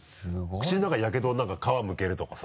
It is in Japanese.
口の中やけど皮むけるとかさ。